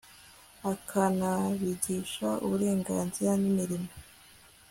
akanabigisha uburenganzira n imirimo